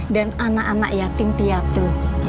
dan anak anak yatim piatu